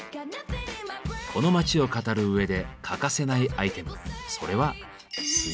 この街を語るうえで欠かせないアイテム。